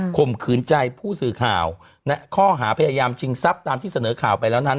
มขืนใจผู้สื่อข่าวข้อหาพยายามชิงทรัพย์ตามที่เสนอข่าวไปแล้วนั้น